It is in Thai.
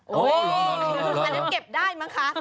อันนั้นเก็บได้มั้งคะ